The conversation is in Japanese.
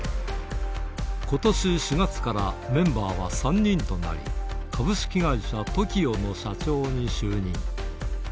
ことし４月から、メンバーは３人となり、株式会社ＴＯＫＩＯの社長に就任。